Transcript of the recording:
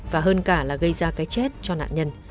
và hơn cả là gây ra cái chết cho nạn nhân